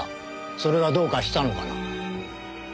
それがどうかしたのかな？